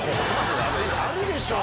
あるでしょ